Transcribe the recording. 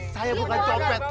saya bukan jepet